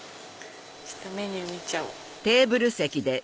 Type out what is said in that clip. ちょっとメニュー見ちゃおう。